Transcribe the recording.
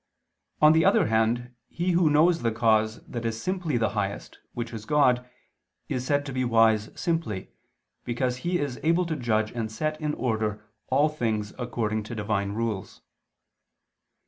On the other hand, he who knows the cause that is simply the highest, which is God, is said to be wise simply, because he is able to judge and set in order all things according to Divine rules.